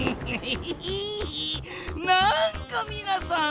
なんかみなさん